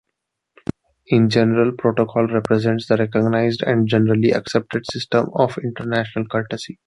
In general, protocol represents the recognized and generally accepted system of international courtesy.